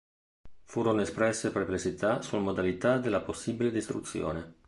Furono espresse perplessità sulla modalità della possibile distruzione.